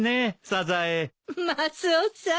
マスオさん。